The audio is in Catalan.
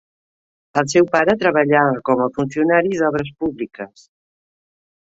El seu pare treballava com a funcionari d'obres públiques.